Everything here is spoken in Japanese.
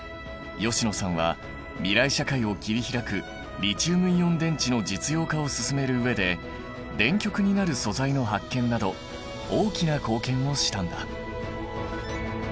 吉野さんは未来社会を切り開くリチウムイオン電池の実用化を進める上で電極になる素材の発見など大きな貢献をしたんだ。